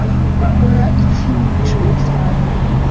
Ukora iki mwijoro ryawe